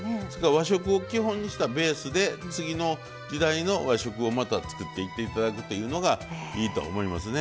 和食を基本にしたベースで次の時代の和食をまた作っていっていただくというのがいいと思いますね。